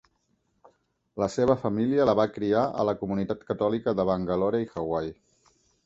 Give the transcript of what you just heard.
La seva família la va criar en la comunitat catòlica de Bangalore i Hawaii.